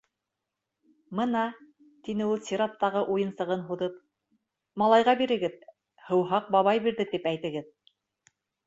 Мына, - тине ул сираттағы уйынсығын һуҙып, - малайға бирегеҙ, һыуһаҡ бабай бирҙе, тип әйтегеҙ.